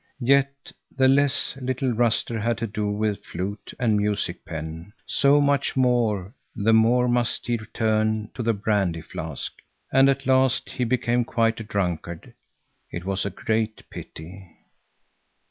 Yet the less little Ruster had to do with flute and music pen, so much the more must he turn to the brandy flask, and at last he became quite a drunkard. It was a great pity.